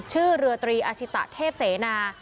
เรือตรีอาชิตะเทพเสนา